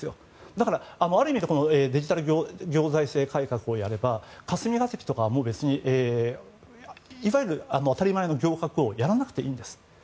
だから、ある意味でこのデジタル行財政改革をやれば霞が関とかは別にいわゆる当たり前の行革をやらなくていいんです。